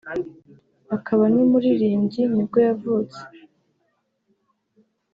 akaba n’umuririmbyi nibwo yavutse